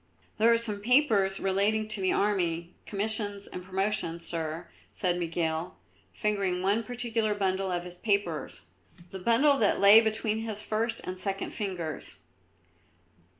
"There are some papers relating to the army, commissions and promotions, Sir," said Miguel, fingering one particular bundle of his papers, the bundle that lay between his first and second fingers.